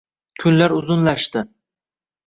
Kunlar uzunlashdi